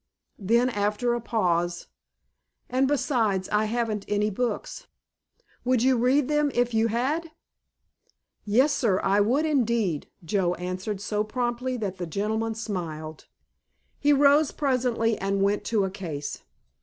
Then, after a pause, "And besides I haven't any books." "Would you read them if you had?" "Yes, sir, I would, indeed," Joe answered so promptly that the gentleman smiled. He rose presently and went to a case.